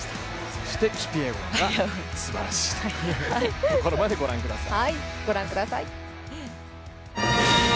そしてキピエゴンがすばらしいというところまでご覧ください。